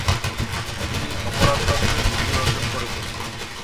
তিনি অপরাধতত্ত্বে ডিগ্রি অর্জন করেছেন।